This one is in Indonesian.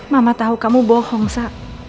mama tahu kamu bohong sa